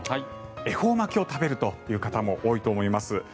恵方巻きを食べるという方も多いと思います。